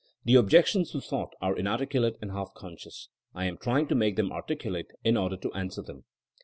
The objections to thought are inarticulate and half conscious. I am try ing to mate them articulate in order to answer them.